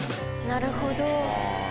なるほど。